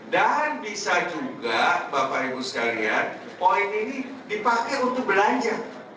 dan bisa juga bapak ibu sekalian point ini dipakai untuk belanja